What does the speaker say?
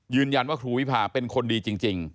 ยืนยันว่าครูวิพาเป็นคนดีจริง